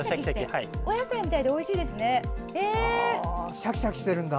シャキシャキしてるんだ。